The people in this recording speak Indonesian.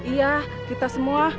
iya kita semua